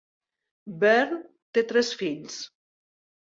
Byrne té tres fills.